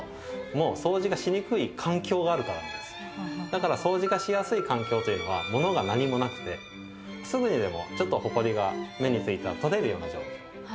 だからそうじがしやすい環境というのは物が何もなくてすぐにでもちょっとほこりが目についたら取れるような状態。